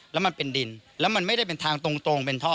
แล้วมันเป็นดินแล้วมันไม่ได้เป็นทางตรงเป็นท่อ